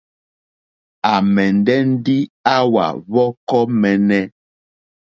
À mɛ̀ndɛ́ ndí áwà hwɔ́kɔ́ !mɛ́ɛ́nɛ́.